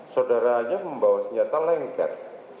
saudaranya membawa senjata lengket